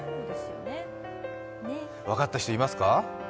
分かった人いますか？